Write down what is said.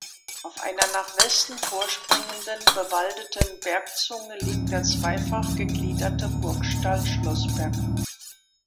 Auf einer nach Westen vorspringenden bewaldeten Bergzunge liegt der zweifach gegliederte Burgstall Schlossberg.